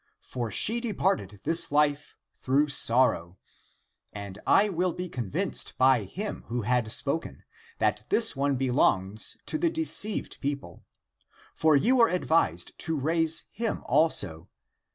For she departed this life through sorrow. And I will be convinced by him who had spoken, tjiat this l68 THE APOCRYPHAL ACTS one belongs to the deceived people. For you were advised to raise him also.